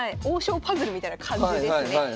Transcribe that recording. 王将パズルみたいな感じですね。